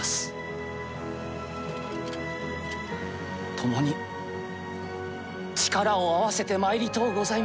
ともに力を合わせてまいりとうございます。